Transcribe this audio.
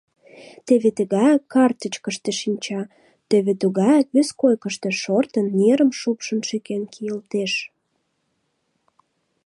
Теве тыгае картычкыште шинча, тӧвӧ тугаяк вес койкышто шортын, нерым шупшын-шӱкен кийылтеш...